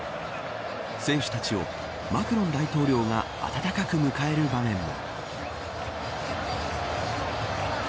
選手たちをマクロン大統領が温かく迎える場面も。